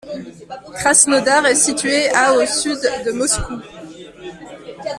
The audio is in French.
Krasnodar est située à au sud de Moscou.